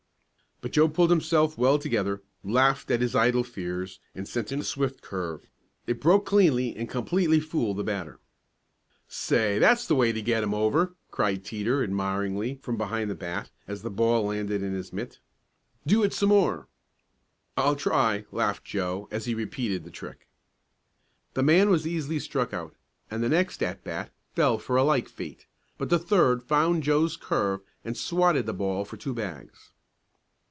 But Joe pulled himself well together, laughed at his idle fears, and sent in a swift curve. It broke cleanly and completely fooled the batter. "Say, that's the way to get 'em over!" cried Teeter admiringly from behind the bat as the ball landed in his mitt. "Do it some more!" "I'll try," laughed Joe, and he repeated the trick. The man was easily struck out, and the next at the bat fell for a like fate, but the third found Joe's curve and swatted the ball for two bags.